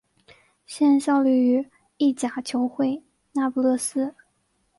现效力于意甲球会那不勒斯。